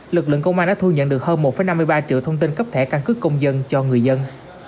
lực lượng công an đã thu nhận được hơn một năm mươi ba triệu thông tin cấp thẻ căn cước công dân cho người dân